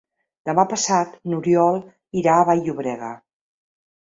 Demà passat n'Oriol irà a Vall-llobrega.